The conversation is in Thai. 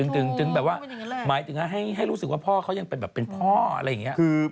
ถึงแบบว่าให้รู้สึกว่าพ่อเขายังเป็นพ่ออะไรอย่างนี้